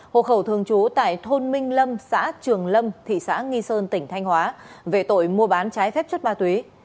hộ khẩu thường trú tại thôn minh lâm xã trường lâm thị xã nghi sơn tỉnh thanh hóa về tội mua bán trái phép chất ma túy